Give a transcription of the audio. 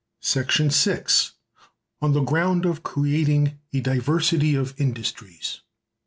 § 6. —on the ground of creating a diversity of industries.